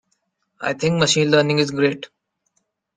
I think Machine Learning is great.